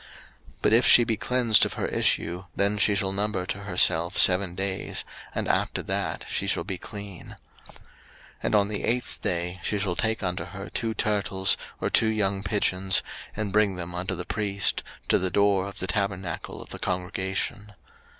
03:015:028 But if she be cleansed of her issue, then she shall number to herself seven days, and after that she shall be clean. 03:015:029 And on the eighth day she shall take unto her two turtles, or two young pigeons, and bring them unto the priest, to the door of the tabernacle of the congregation.